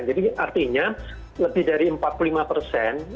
jadi artinya lebih dari empat puluh lima persen